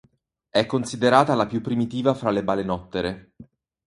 È considerata la più primitiva fra le balenottere.